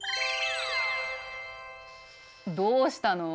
どうしたの？